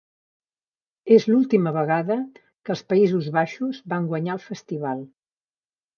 És l'última vegada que els Països Baixos van guanyar el festival.